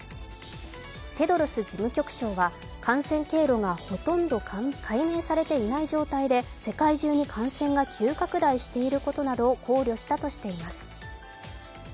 テドロス事務局長は感染経路がほとんど解明されていない状態で世界中に感染が急拡大していることなどを考慮したとしています。